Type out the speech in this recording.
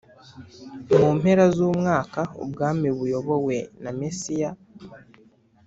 mu mpera z umwaka ubwami buyobowe na mesiya